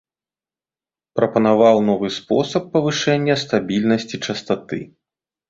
Прапанаваў новы спосаб павышэння стабільнасці частаты.